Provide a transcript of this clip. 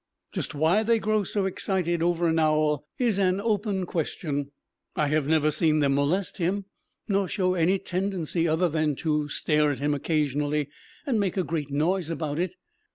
Just why they grow so excited over an owl is an open question. I have never seen them molest him, nor show any tendency other than to stare at him occasionally and make a great noise about it.